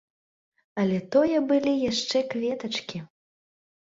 Але тое былі яшчэ кветачкі.